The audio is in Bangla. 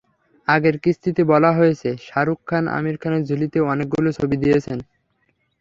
আগের কিস্তিতে বলা হয়েছে, শাহরুখ খান আমির খানের ঝুলিতে অনেকগুলো ছবি দিয়েছেন।